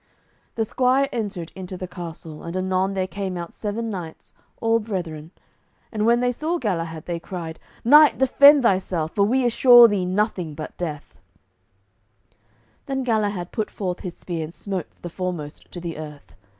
The squire entered into the castle, and anon there came out seven knights, all brethren. And when they saw Galahad they cried, "Knight, defend thyself, for we assure thee nothing but death." Then Galahad put forth his spear, and smote the foremost to the earth.